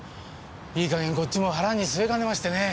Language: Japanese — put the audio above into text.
いい加減こっちも腹にすえかねましてね。